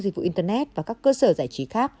dịch vụ internet và các cơ sở giải trí khác